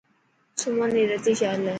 سمن ري رتي شال هي.